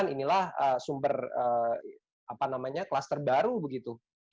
nah inilah sumber apa namanya kelas terbaru begitu